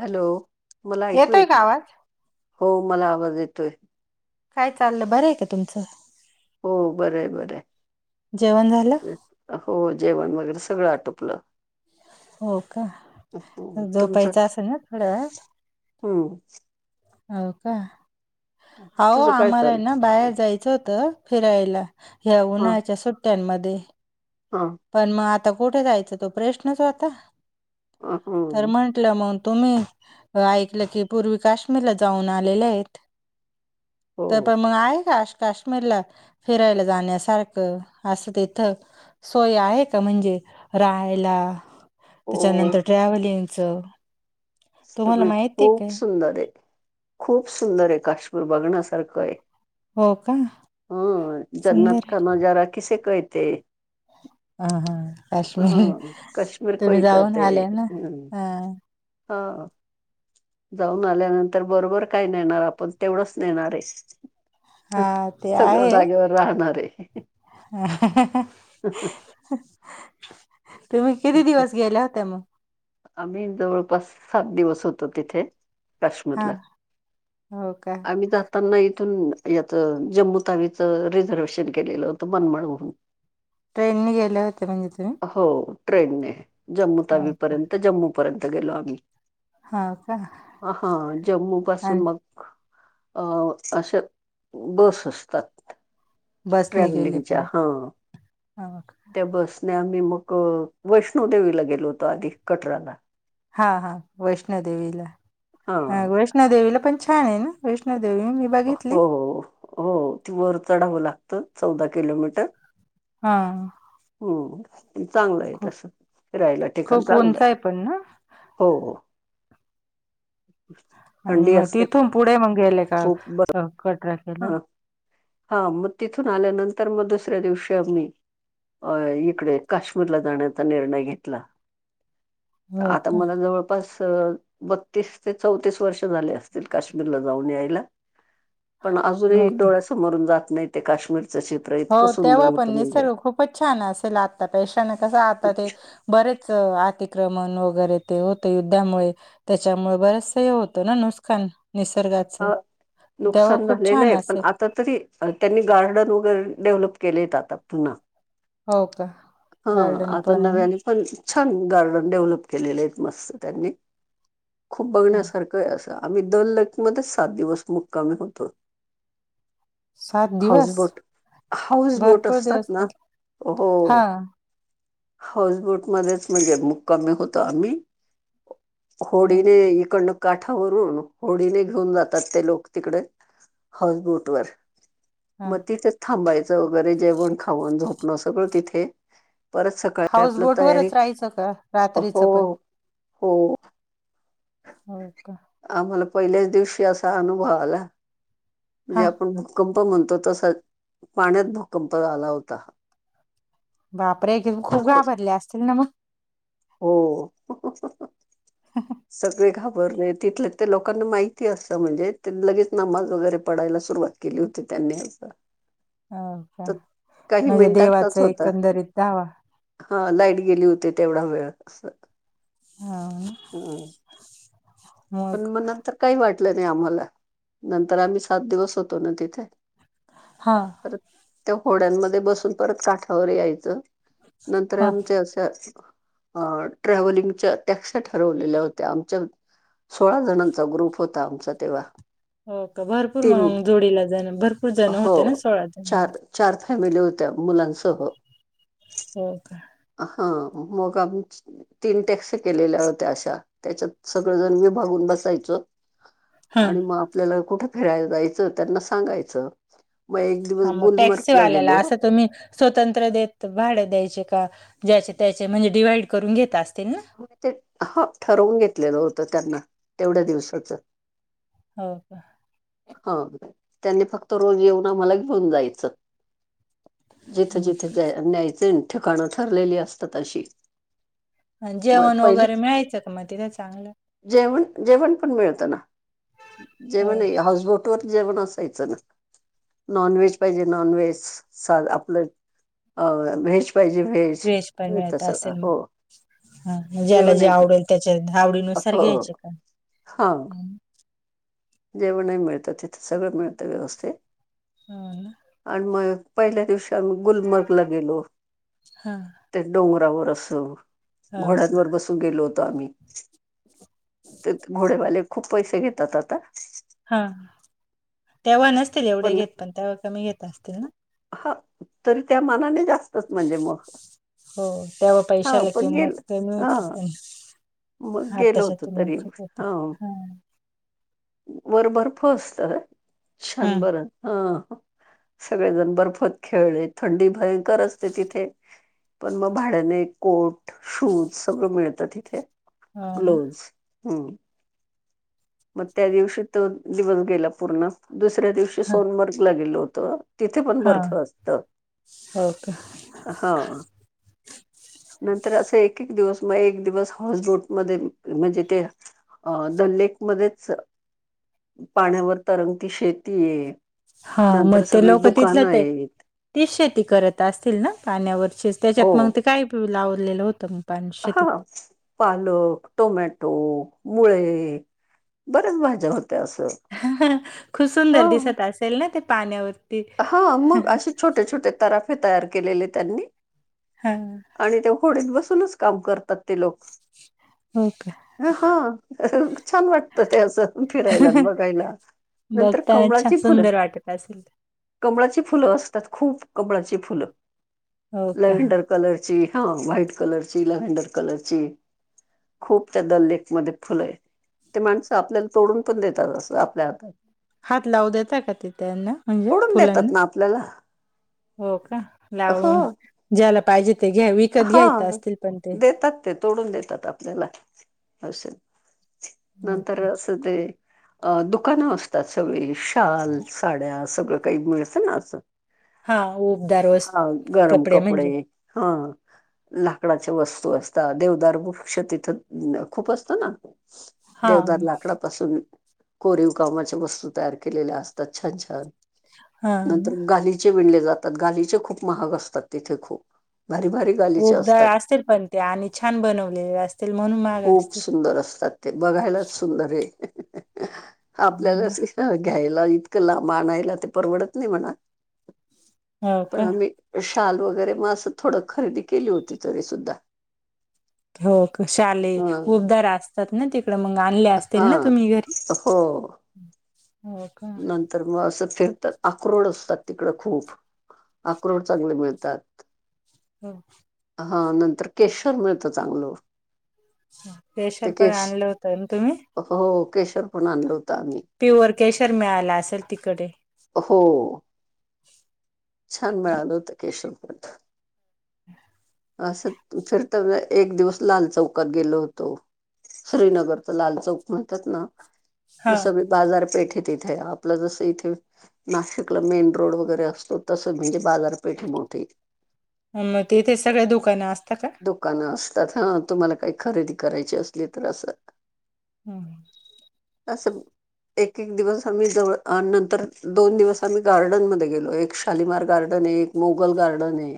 Hello? मला ऐकू येतोय येत, का आवाज हो मला आवाज येतोय. काय चाललं बरं य का तुमचं? हो बरंय बर. जेवण झालं हो जेवण वगैरे सगळं आटोपलं. हो का? हं, जोपायच असल ना, थोड्या वेळात? हम. हो का? आओ तुझं काय आम्हाला ना, चाललं बाहेर जाय चा होत फिरायला, ह्या उन्हाळच्या सुट्ट्यांमध्ये. हं. पण म आता कुठ जायचा? तो प्रश्नच हॊता, तर हम्म मण टलं म तुम्ही अ ऐकलं की, पूर्वी काश्मीरला जाऊन आलेल्यात. हो तर पण मग आहे का आश? काश्मीरला फिरायला जाण्यासारखं असं तिथं, सोय आहे का, म्हणजे राहायला? हो त्याच्यानंतर, ट्रॅव्हलिंगच. सगळे खूप सुंदर ये, खूप सुंदर ये, काश्मीर बघण्यासारख ये. हो कां हम्मं जन्नंत कां नजांरा किसे कहते. अं हां काश्मीर ह काश्मीर तुम्हीं कोई जाऊंन आलें नां हां होव जाऊंन आल्यानंतर बरोबर कायं नेणारं आपणं तेवढंच नेणारं आहेसं हां सगळं जागेवर राहणांर आहे तुम्हीं किती दिवसं गेल्यां होत्यां मंग आम्हीं जवळंपास सात दिवसं होतो तिथे हा काश्मीरला हो का आम्हीं जातं जां त्यांनां इथूंन यांचं जम्मूं तावीचं रिझर्वेशन केलेलं होतं मनमांळ वरूंन ट्रेननी गेल्यां होतं म्हणजे तुम्हीं हो ट्रेनने जम्मूं का तावीपर्यंत जम्मूं पर्यंत गेलो आम्हीं हा का अंहां जम्मूं पासूंन आणि मंग अं अशे बसं असतांत बसने गेले ट्रॅव्हलिंगच्यां पुढे हां हो का त्यां बसं नाहीं आम्हीं मंग वैष्णोदेवीला गेलो होतो आधी कटरांला हां हां वैष्णो देेवीला हं हा. वैष् वैष्णदेवीला पणं छान आहे नां वैष्णदेवी हो हो ती वरं चढावं लागतं चौदा किलोमीटर हां हम्मं चांगलं आहे तसं फिरायंला ठिकाणं खूप चांगलं उंच आहे पण ना हो आणि थंडी मंग असते तिथूंन पुढे मंग गेले खूप बरं कां कटरांकेला हां. हां मंग तिथूंन आल्यानंतर मंग दुसऱ्यां दिवशी आम्हीं अं ईकडे काश्मीरला जाण्यांचा निर्णय घेतंला तरं हो आंता का मलां जवळं पस बत्तीस ते चौतीस वर्ष झाले असतील काश्मीरला जाऊंन यांयला पणं अजूंनही हो का डोळ्यांसमोरूंन जांत नाहीं ते काश्मीरचं शीन हो तेंव्हा पणं निसर्ग खूपचं छान असेल आंता पेक्षा कसं आंता खूप ते बरेचं अतिक्रमणं वगैरें ते होते युद्धामुळे त्यांच्यामुळे बरंच कांहीं हे होतं नां नुकसांन निसर्गाचं अं तेव्हा नुकसांन खूप झालेलं छान आहे असेल पणं आं तरं तरी त्यांनी गार्डन वगैरें डेव्हलप केले आहेत आंता पुन्हां हो का हां गार्डन आंता पण आहे नव्याने पणं छान छान गार्डन डेव्हलप केलेले आहेत मस्तं त्यांनी खूंप ना. बघण्यांसारखं असं आम्हीं दोन लाईकमध्ये सात दिवसं मुक्कांमी होतो सात दिवसं हाऊंस बोटं असतांत नां हो हा हाऊंसबोट मध्येचं म्हणजे मुक्कांमी होतो आम्हीं होडीने इकडं कांठावरूंन होडीने घेऊंन जातांत ते लोकं तिकडे हाऊंसबोट वरं हा मंग तिथे थांबायचं वगैरें जेवणं खाऊंन झोपणं सगळं तिथे परंत सकाळीं हाऊस आपलं बोट तयारी वरच राहायचं का रात्रीच हो पण हो हो कां आम्हांला पहिल्यांच दिवशी असां अनुभव आंला म्हणजे हा आपणं भूकंप म्हणतो तसाच पाण्यात भूकंप झाला होता. बाप रे! तिद खूप घाबरले असतील न म हो [unintelligible] सगळे घाबरले तिथलं ते लोकांना माहिती असतं म्हणजे ते लगेच नमाज वगैरे पडायला सुरुवात केली होती त्यांनी असं हो का तर काही म्हणजे देवाच मिनिटांचाच होता एकंदरीत धावा हा लाईट गेली होती तेवढा वेळ अस हा नं ह पण म नंतर काही वाटलं नाही आम्हाला नंतर आम्ही सात दिवस होतो ना तिथे. हां परत त्या होड्यांमध्ये बसून परत काठावर यायचं नंतर हा आमच्या अस अ ट्रॅव्हलिंगच्या त्या कशा ठरवलेल्या होत्या आमच्या सोळा जणांचा ग्रुप होता आमचा तेव्हा. हो का भरपूर तीन मंग जोडीला जणं भरपूर जण हो होते ना सोळा जण म्हण चार चार फॅमिली होत्या मुलांसह हो का- हा मग आम्ही ची तीन टॅक्सी केलेल्या होत्या अशा त्याच्यात सगळंजण विभागून बसायचो. हा आणि म आपल्याला कुठ फिरायला जायचं त्यांना सांगायचं. मग एक दिवस हा म गुलमर्गला टॅक्सीवाल्याला गेलो असं तुम्ही स्वतंत्र देत भाडे द्यायचे का ज्याचे त्याचे म्हणजे डिव्हाइड करून घेत असतील ना. म ते हो ठरवून घेतलेलं होतं त्यांना तेवढ्या दिवसाचं. हो का ह त्यांनी फक्त रोज येऊन आम्हाला घेऊन जायचं. जिथे जिथे जाय न्यायचय नं ठिकाणं ठरलेली असतात अशी म जेवण वगैरे पहिलीच मिळायचं का मग तिथे चांगलं जेवण जेवण पण मिळतं ना हो जेवण ही का, हाऊसबोट वर जेवण असायचं ना. नॉन व्हेज पाहिजे नॉन व्हेज साधं आपलं अ व्हेज पाहिजे व्हेज पण मिळत सगळं असेल मग हो. हा ज्याला जेवण जे आवडेल त्याच्या आवडीनुसार हो घ्यायचे का हां हु जेवणही मिळतं तिथं सगळं मिळतं व्यवस्थे हो ना आणि मग पहिल्या दिवशी आम्ही गुलमर्गला गेलो. हा त्या डोंगरावर अस हो का घोड्यांवर बसून गेलो होतो आम्ही तेत घोडेवाले खूप पैसे घेतात आता हा त्यावेळी नसतील एवढे घेत पण त्यावेळी कमी घेत असतील ना. हा तरी त्या मानाने जास् तच म्हणजे म हो तेव्हा हा पैशाला पण गेलं किंमत कमी हा होती पण मग गेलो आताच्या होतो तुलनेत तरी खूप ह होते हा वर बर्फ असत हा षणभरण ह सगळेजण बर्फत खेळले थंडी भयं कर असते तिथे पण म भाड्याने कोट शूज सगळं मिळतं तिथे. हो ना ग्लोज हम्म. मग त्या दिवशी तो दिवस गेला पूर्ण दुसऱ्या दिवशी ह सोनबर्गला गेलो होतो. तिथे पण हा बर्फ असत हो का हा. नंतर असं एक एक दिवस म एक दिवस हॉसबोट मध्ये म्हणजे ते अ- दल्लेक मध्येच पाण्यावर तरंगती शेतीये. हा मग ते लोक तिथले ते आहेत तीच शेती करत असतील ना पाण्यावरचेच हो त्याच्यात मग ते काय लावलेलं होतं मग? पाणी हा. शेतीत पालक, टोमॅटो, मुळे बऱ्याच भाज्या होत्या असं. खूप ह. सुंदर दिसत असेल ना ते पाण्यावर? हा मग असे छोटे छोटे तराफे तयार केलेले त्यांनी. हा. आणि त्या होडीत बसूनच काम करतात ते लोक. हो काय? हा छान वाटतं ते असं फिरायलान बघायला. नंतर बघताना छान कमळाची फुलं [unintelligible] कमळाची फुलं असतात खूप कमळाची फुलं हो का लेवंडर कलरची हा व्हाईट कलरची लेवहेंडर कलर ची. खूप त्या दल लेख मध्ये फुलं आहे. ते माणसं आपल्याला तोडून पण देतात असं आपल्या हातात. हात लावू देता काय ते त्यांना? म्हणजे तोडून देतात फुलांना ना आपल्याला. हो का हो लावून ज्याला पाहिजे ते घ्या- विकत हा घ्यायच असतील पण ते? देतात ते तोडून देतात आपल्याला आस नंतर ते दुकानं असतात सगळे शाल्स ड्या सगळ काही मिळत ना हा उबदार वस् हा गरम कपडे हा. लाकडाच्या वस्तू असतात देवदार वृक्ष तिथं खूप असतो ना. हा देवदार लाकडापासून कोरीव कामाच्या वस्तू तयार केलेल्या असतात. छान छान हा ना नंतर गाली चे विणले जातात गालिचे खूप महाग असतात तिथे खुप भारी भारी गालीचे ऊबदार असतात असतील पण ते आणि छान बनवलेले असतील म्हणून महाग खूप असतील सुंदर असतात. ते बघायलाच सुंदरये हो ना आपल्यालाच घ्यायला इ लांब आनायला ते परवडत नाही म्हणा. हो पण का आम्ही शाल वगैरे मग असं थोडं खरेदी केली होती तरी सुद्धा. हो शाली ह उबदार असतात ना ती इकड मंग आणले असतील हा ना तुम्ही घरी? हो का हो नंतर मग असं फिरतात आक्रोड असतात तिकडं खूप. आक्रोड चांगले मिळतात. हो. हा नंतर केशर मिळतं चांगल. केशर पण आणलं होत ना तुम्ही? हो. केशर पण आणल होत आम्ही. प्युअर केशर मिळाल असेल तिकडे. हो. छान मिेळाल होत केशर पण. [inaudible] असंच [unintelligible] एक दिवस लाल चौकात गेलो होतो. श्रीनगर. लाल चौक म्हणतात ना? मग हा सगळी बाजारपेठे ए तिथे. आपलं जसं इथे- नाशिकला मेन रोड वगैरे असतो. तस म्हणजे बाजारपेठ ए मोठी. मग तेिथे सगळे दुकानं असता का? दुकानं असतात. हा. तुम्हाला काही खरेदी करायची असली तर असं. हम्. असं एक एक दिवस आम्ही जवळ. आ नंतर दोन दिवस आम्ही गार्डन मध्ये गेलो. एक- शालीमार गार्डन ए. एक मोगल गार्डन ए.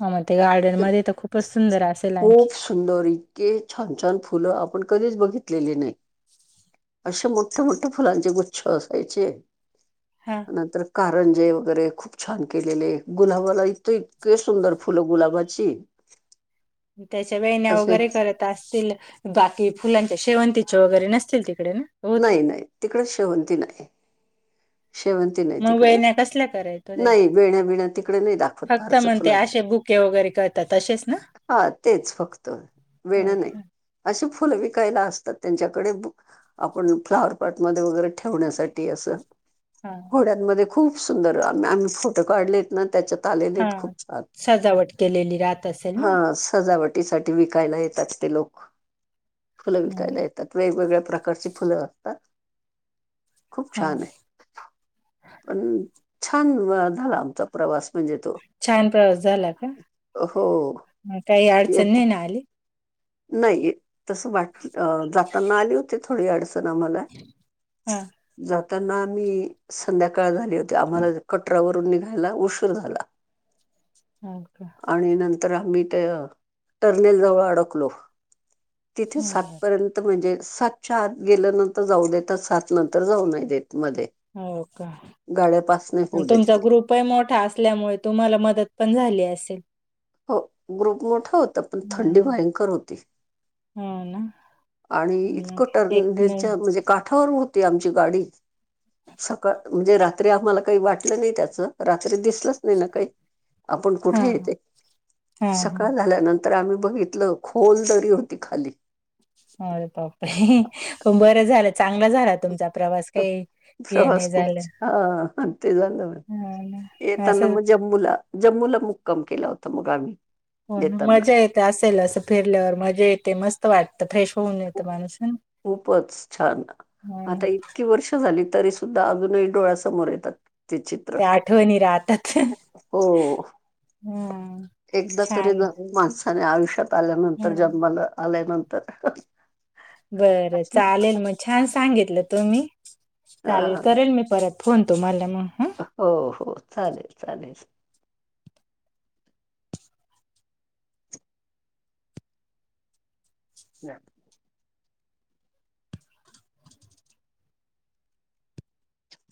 हा मग ते गार्डन मध्ये तर खूपच सुंदर असेल आणखी? खूप सुंदर इतके छान छान फुलं आपण कधीच बघितलेली नाही. अशे मोठे मोठे फुलांचे गुच्छ असायचे. हा. नंतर कारंजे वगैरे खूप छान केलेले. गुलाबाला इत इतके सुंदर- फुल गुलाबाची. त्याच्या वेण्या असे वगैरे करत- असतील. बाकी फुलांच्या शेवंतीच्या वगैरे नसतील तिकडे ना? होते. नाही नाही. तिकडे शेवंती नाही शेवंती. नाही मग तिकडे. वेण्या कसल्या करायत ओ त्याच्या? नाही वेण्या बिण्या तिकडे नाही दाखवत फक्त फारस मग ते फुलांचं. असे बुके वगैरे करतात तसेच ना? हा. तेच फक्त. वेणं नाही अच्छा. अशी फुलं विकायला असतात त्यांच्याकडे. आपण फ्लावर पार्ट मधे वगैरे ठेवण्यासाठी अस हा होड्यांमध्ये- खूप सुंदर आम्ही आम्ही फोटो काढलेत ना त्याच्यात. हा आलेलेत खूप छान. सजावट केलेली राहत असेल ना? हा सजावट. ते साठी विकायला येतात ते लोक. फुल विकायला येतात वेगवेगळ्या प्रकार - ची फुलं असतात. खूप हा छान आहे. पण छान झाला आमचा- प्रवास म्हणजे तो. छान प्रवास झाला का? हो काही अडचण येत- नाही ना आली? नाही तस वाट जाताना आली होती थोडी अडचण. आम्हाला. हा जाताना आम्ही - संध्याकाळ झाली होती आम्हाला कटरावरून निघायला उशीर झाला. हो का? आणि नंतर आम्ही ते टर्नेलजवळ अडकलो. तिथे बरोबर. सातपर्यंत- म्हणजे सातच्या आत गेल्या नंतर जाऊ देतात. सात नंतर जाऊ नाही देत मध्ये. हो का? गाड्या पास नाही मग होऊ द्या तुमचा तिथे ग्रुप- लई मोठा असल्यामुळे तुम्हाला मदत पण झाली असेल? हो. ग्रुप मोठा होता. पण थंडी भयंकर होती. ह ना. आणि इतकं मग एक नाही टर्नेलच्या म्हणजे काठावर होती आमची गाडी सकाळ. म्हणजे रात्री आम्हाला काही वाटलं नाही त्याचं रात्री दिसलच नाही ना काही आपण हा कुठे येते हा हा सकाळ झाल्यानंतर. तर आम्ही बघितलं खोल दरी होती खाली. अपर पण बरं झालं चांगलं झालं. प्रवास खूप झालं हा ते झा म हो ना येताना असं मग जम्मूला जम्मूला मुक्काम केला होता मग आम्ही. हो येताना मजा येते असेल असं फिरल्यावर मजा येते मस्त वाटत फ्रेश होऊन येतं माणूस. खूपच छान हो ना, आता इतकी वर्ष. झाली तरी सुद्धा अजूनही डोळ्या समोर येतात. ते आठवणी राहतात हो हम्. एकदा तरी द माणसाने आयुष्यात ह आल्यानंतर जन्माला आल्यानंतर. बरं चालेल मग छान सांगितलं तु म्ही चालेल अ करेल मी परत. फोन तो मला मग ह हो हो चालेल चालेल. ह